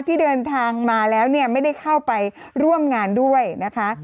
ที่เดินทางมาแล้วเนี่ยไม่ได้เข้าไปร่วมงานด้วยนะคะ